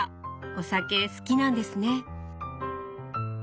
お酒好きなんですね。